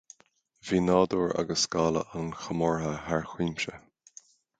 Bhí nádúr agus scála an chomórtha thar cuimse